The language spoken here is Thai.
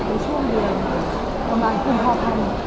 จนช่วงเดือนประมาณคืนพอพันธุ์